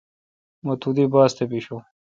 م تو دی باس تہ بیشون۔